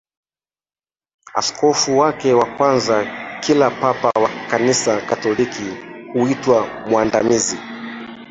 askofu wake wa kwanza Kila Papa wa Kanisa Katoliki huitwa mwandamizi